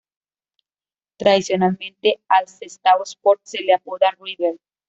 Tradicionalmente al Sestao Sport se le apodaba "River".